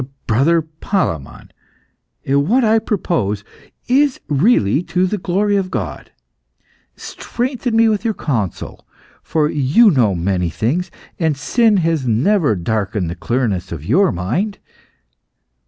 "Brother Palemon, what I propose is really to the glory of God. Strengthen me with your counsel, for you know many things, and sin has never darkened the clearness of your mind."